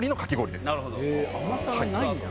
甘さがないんだ。